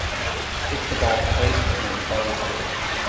Kick the ball straight and follow through.